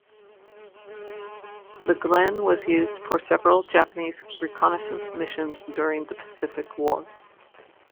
The "Glen" was used for several Japanese reconnaissance missions during the Pacific War.